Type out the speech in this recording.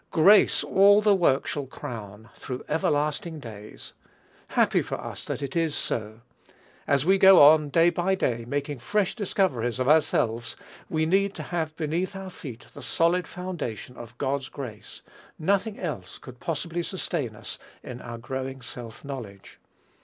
"Grace all the work shall crown through everlasting days." Happy for us that it is so. As we go on, day by day, making fresh discoveries of ourselves, we need to have beneath our feet the solid foundation of God's grace: nothing else could possibly sustain us in our growing self knowledge.